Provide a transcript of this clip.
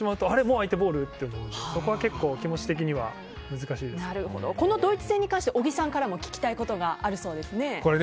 相手ボール？と思うし気持ち的にはこのドイツ戦に関して小木さんからも聞きたいことがあるそうですね。